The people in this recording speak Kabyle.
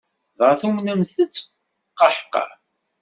Dɣa tumenent-tt? Qaḥqa!